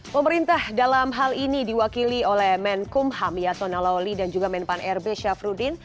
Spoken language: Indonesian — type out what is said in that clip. pemerintah dalam hal ini diwakili oleh menkumham yasson naloli dan juga menpan r b syafruddin